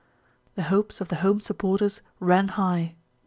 The hopes of the home sup porters ran high.